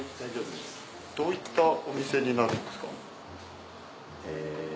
どういったお店になるんですか？